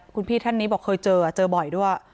คุณพี่ท่านนี้บอกเคยเจอเจอบ่อยด้วย